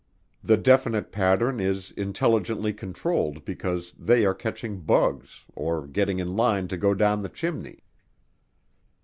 The definite pattern is intelligently controlled because they are catching bugs or getting in line to go down the chimney.